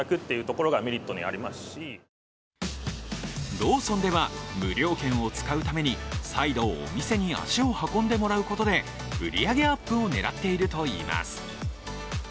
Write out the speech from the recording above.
ローソンでは、無料券を使うために再度お店に足を運んでもらうことで売り上げアップを狙っているといいます。